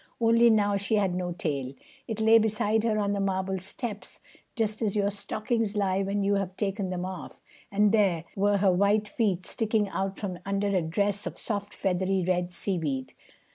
Only now she had no tail. It lay beside her on the marble steps, just as your stockings lie when you have taken them off; and there were her white feet sticking out from under a dress of soft feathery red seaweed.